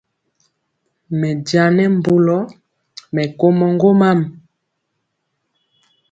Mɛ njaŋ nɛ mbulɔ, mɛ komɔ ŋgomam.